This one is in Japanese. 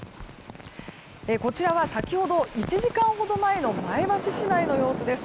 こちらは１時間ほど前の前橋市内の様子です。